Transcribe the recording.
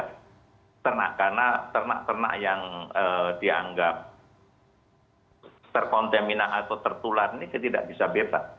karena ternak ternak yang dianggap terkontaminat atau tertular ini tidak bisa bebas